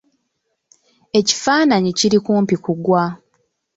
Ekifaananyi kiri kumpi ku gwa.